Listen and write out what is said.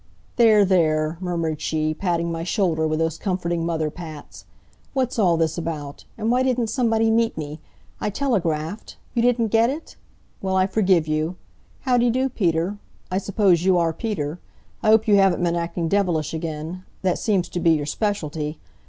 "There, there!" murmured she, patting my shoulder with those comforting mother pats. "What's all this about? And why didn't somebody meet me? I telegraphed. You didn't get it? Well, I forgive you. Howdy do, Peter? I suppose you are Peter. I hope you haven't been acting devilish again. That seems to be your specialty.